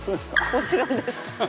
もちろんです。